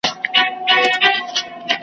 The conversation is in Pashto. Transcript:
اور د کوه طور سمه، حق سمه، منصور سمه .